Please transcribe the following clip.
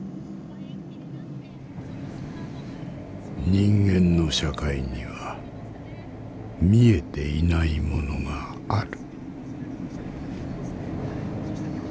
人間の社会には見えていないものがある。